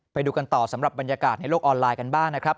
ไปดูกันต่อสำหรับบรรยากาศในโลกออนไลน์กันบ้างนะครับ